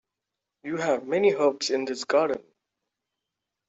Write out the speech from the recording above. You have many herbs in this garden.